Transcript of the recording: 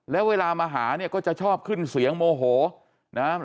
แล้วเวลามาหาเนี่ยก็จะชอบขึ้นเสียงโมโหนะครับ